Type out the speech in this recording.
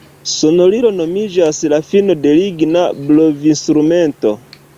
Sonorilo nomiĝas la fino de ligna blovinstrumento.